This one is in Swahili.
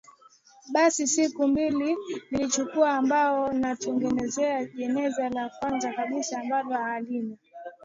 Basi siku mbili mbele nilichukua mbao na kutengeneza jeneza la kwanza kabisa ambalo halina